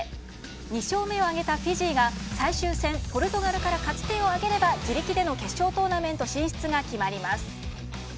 ２勝目を挙げたフィジーが最終戦、ポルトガルから勝ち点を挙げれば自力での決勝トーナメント進出が決まります。